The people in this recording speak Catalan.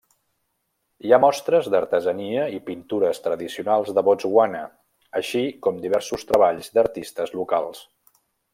Hi ha mostres d'artesania i pintures tradicionals de Botswana, així com diversos treballs d'artistes locals.